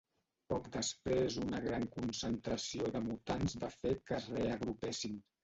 Poc després una gran concentració de mutants va fer que es reagrupessin.